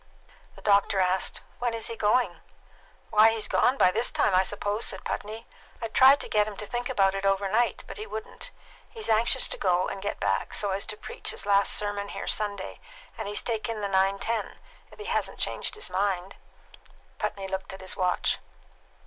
The doctor asked, "When is he going?" "Why, he's gone by this time, I suppose," said Putney. "I tried to get him to think about it overnight, but he wouldn't. He's anxious to go and get back, so as to preach his last sermon here Sunday, and he's taken the 9.10, if he hasn't changed his mind." Putney looked at his watch.